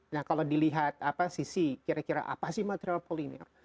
nah kalau dilihat sisi kira kira apa sih material polimer